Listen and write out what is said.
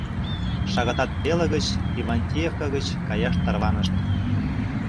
Шагатат пеле гыч Ивантеевка гыч каяш тарванышт.